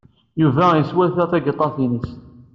Yuba yeswata tagiṭart-nnes.